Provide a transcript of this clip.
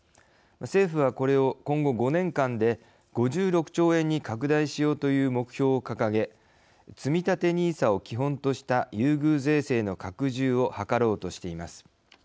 政府はこれを今後５年間で５６兆円に拡大しようという目標を掲げ、つみたてＮＩＳＡを基本とした優遇税制の拡充をはかろうとしています。